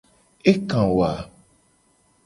Eka wo a?